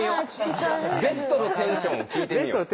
ベストのテンションを聞いてみよう。